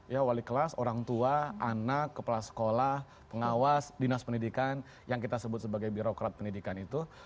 ya wali kelas orang tua anak kepala sekolah pengawas dinas pendidikan yang kita sebut sebagai birokrat pendidikan itu